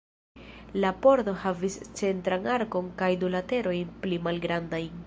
La pordo havis centran arkon kaj du laterojn pli malgrandajn.